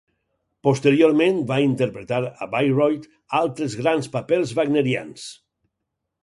Posteriorment va interpretar a Bayreuth altres grans papers wagnerians.